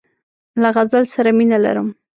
له غزل سره مینه لرم.